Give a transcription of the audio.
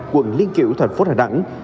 quận liên kiểu thành phố hà đẳng